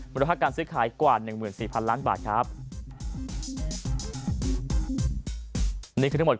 มาตัวผลข้างซื้อขายกว่า๑๔๐๐๐ล้านบาท